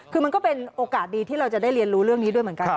คือมันก็เป็นโอกาสดีที่เราจะได้เรียนรู้เรื่องนี้ด้วยเหมือนกัน